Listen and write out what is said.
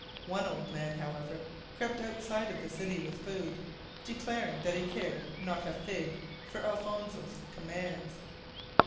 One old man, however, crept outside of the city with food, declaring that he cared "not a fig" for Alfonso's commands.